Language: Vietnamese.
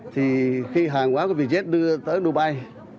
thì khi hàng quá có việc jet đưa tới dubai